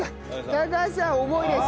高橋さん重いです。